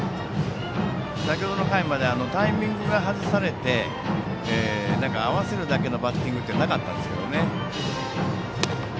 先程の回まではタイミングが外されて合わせるだけのバッティングってなかったですけどね。